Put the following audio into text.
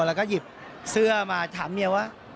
แล้วก็หยิบเสื้อมาถามเมียว่า